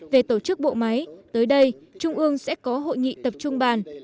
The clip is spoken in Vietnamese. về tổ chức bộ máy tới đây trung ương sẽ có hội nghị tập trung bàn